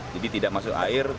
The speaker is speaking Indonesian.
jadi tidak masuk air